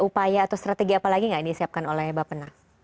upaya atau strategi apa lagi yang disiapkan oleh bapa nas